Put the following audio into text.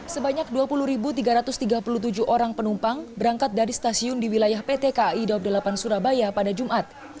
sebanyak dua puluh tiga ratus tiga puluh tujuh orang penumpang berangkat dari stasiun di wilayah pt kai daob delapan surabaya pada jumat